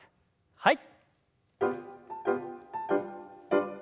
はい。